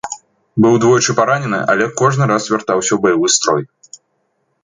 Быў двойчы паранены, але кожны раз вяртаўся ў баявы строй.